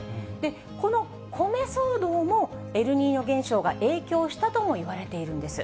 この米騒動も、エルニーニョ現象が影響したともいわれているんです。